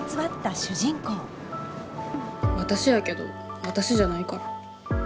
私やけど私じゃないから。